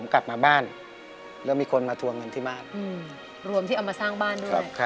กลับมาบ้านแล้วมีคนมาทุวงเงินที่บ้าน